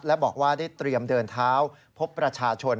และบอกว่าได้เตรียมเดินเท้าพบประชาชน